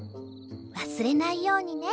わすれないようにね。